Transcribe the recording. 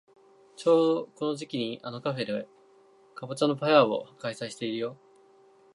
ちょうどこの時期にあのカフェでかぼちゃのフェアを開催してるよ。